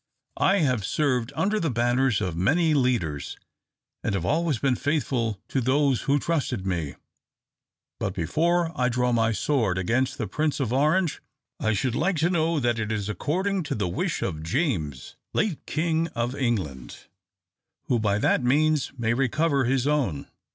"I have served under the banners of many leaders, and have always been faithful to those who trusted me; but before I draw my sword against the Prince of Orange I should like to know that it is according to the wish of James, late King of England, who by that means may recover his own."